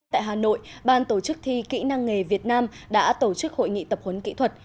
tại hà nội ban tổ chức thi kỹ năng nghề việt nam đã tổ chức hội nghị tập huấn kỹ thuật